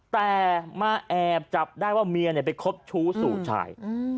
แต่มาแอบจับได้ว่าเมียไปคบชู้สู่ชาย